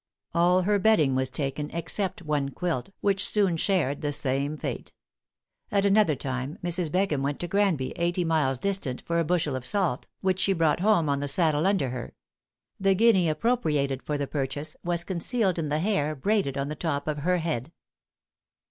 All her bedding was taken, except one quilt, which soon shared the same fate. At another time Mrs. Beckham went to Granby, eighty miles distant, for a bushel of salt, which she brought home on the saddle under her. The guinea appropriated for the purchase, was concealed in the hair braided on the top of her head.